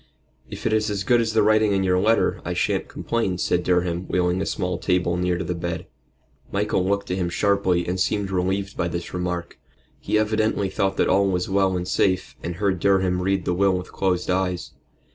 "If it is as good as the writing in your letter, I shan't complain," said Durham, wheeling a small table near to the bed. Michael looked at him sharply, and seemed relieved by this remark. He evidently thought that all was well and safe, and heard Durham read the will with closed eyes.